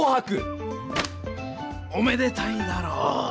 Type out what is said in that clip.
おめでたいだろう？